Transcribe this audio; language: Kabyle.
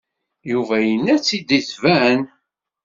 Yuba yenna-tt-id tban.